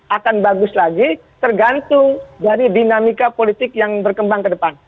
akan bagus lagi tergantung dari dinamika politik yang berkembang ke depan